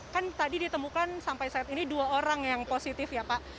kan tadi ditemukan sampai saat ini dua orang yang positif ya pak